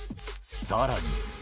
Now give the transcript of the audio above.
さらに。